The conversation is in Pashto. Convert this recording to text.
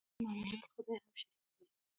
په دې معامله کې خدای هم شریک دی.